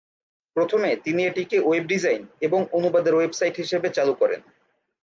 প্রথমে তিনি এটিকে ওয়েব ডিজাইন এবং অনুবাদের ওয়েব সাইট হিসেবে চালু করেন।